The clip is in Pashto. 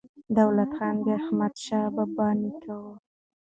دولت خان د احمدشاه بابا نیکه و.